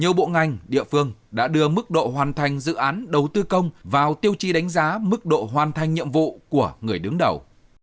nhiều bộ ngành địa phương đã đưa mức độ hoàn thành dự án đầu tư công vào tiêu chí đánh giá mức độ hoàn thành nhiệm vụ của người đứng đầu